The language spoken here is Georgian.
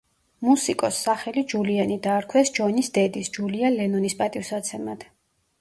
მუსიკოსს სახელი ჯულიანი დაარქვეს ჯონის დედის, ჯულია ლენონის პატივსაცემად.